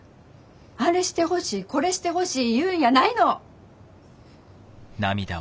あれしてほしいこれしてほしい言うんやないの！